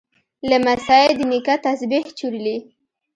لمسی د نیکه تسبیح چورلي.